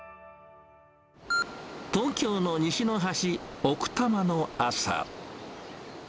東京の西の端、奥多摩の朝。